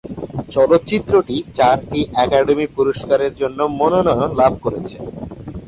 চলচ্চিত্রটি চারটি একাডেমি পুরস্কারের জন্য মনোনয়ন লাভ করেছে।